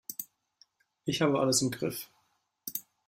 Ich habe alles im Griff.